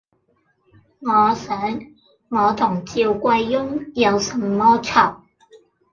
我想：我同趙貴翁有什麼讎，